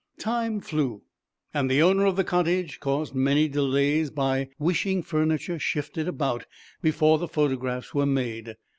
Time flew, and the owner of the cottage caused many delays by wishing furniture shifted about before the photographs were made.